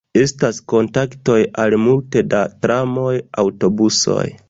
Estas kontaktoj al multe da tramoj, aŭtobusoj.